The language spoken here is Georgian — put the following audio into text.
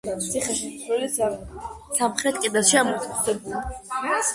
ციხეში შესასვლელი სამხრეთ კედელშია მოთავსებული.